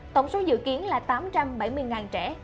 tổng số dự kiến là tám trăm bảy mươi trẻ